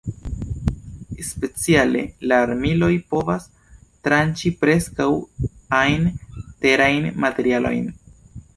Speciale la armiloj povas tranĉi preskaŭ ajn terajn materialojn.